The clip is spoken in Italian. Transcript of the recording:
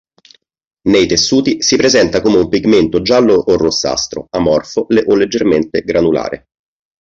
Nei tessuti, si presenta come un pigmento giallo o rossastro, amorfo o leggermente granulare.